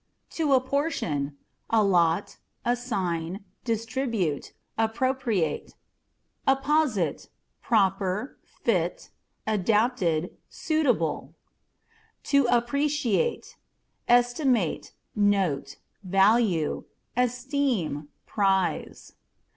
To Apportion â€" allot, assign, distribute, appropriate. Apposite â€" proper, fit, adapted, suitable. APPâ€" ARO. 15 To Appreciate â€" estimate, note, value ; esteem, x>rize.